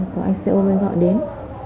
có anh xe ôm gọi đến